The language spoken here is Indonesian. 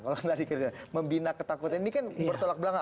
kalau tadi kata membina ketakutan ini kan bertolak belakang